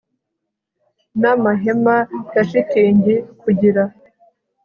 n amahema ya shitingi kugira